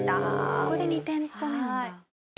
ここで２店舗目なんだ。